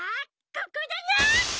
ここだな！